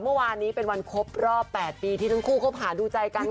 เมื่อวานนี้เป็นวันครบรอบแปดปีที่ทั้งคู่เข้าผ่านดูใจกันค่ะ